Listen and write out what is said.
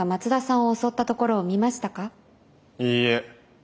いいえ。